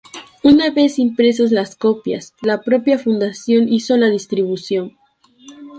Una vez impresas las copias, la propia fundación hizo la distribución.